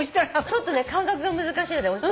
ちょっとね感覚が難しいので。